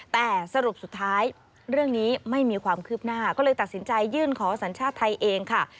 แต่สรุปสุดท้ายเรื่องนี้ไม่มีความคืบหน้าก็เลยตัดสินใจยื่นขอสัญชาติไทยเองค่ะ